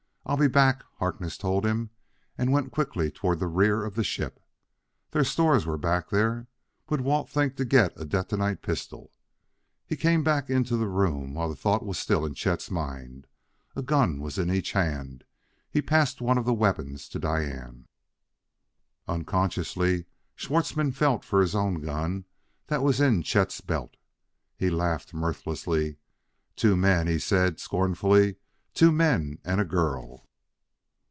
"I'll be back," Harkness told him and went quickly toward the rear of the ship. Their stores were back there; would Walt think to get a detonite pistol? He came back into the room while the thought was still in Chet's mind. A gun was in each hand; he passed one of the weapons to Diane. Unconsciously, Schwartzmann felt for his own gun that was in Chet's belt. He laughed mirthlessly. "Two men," he said scornfully; "two men and a girl!"